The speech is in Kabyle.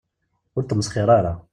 Ur tmesxir ara.